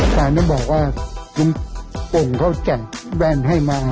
ตอนนี้บอกว่าลุงโปร่งเขาจัดแว่นให้มา